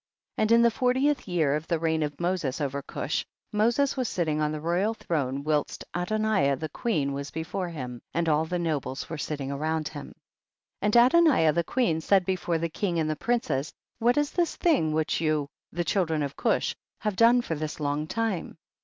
3. And in the fortieth year of the reign of Moses over Cush, Moses was sitting on the royal throne whilst Adoniah the queen was before him, and all the nobles were sitting around him. 4. And Adoniah the queen said before the king and the princes, what is this thing which you, the children of Cush, have done for this long time